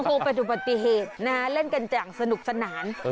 คงเป็นอุบัติเหตุนะเล่นกันอย่างสนุกสนาน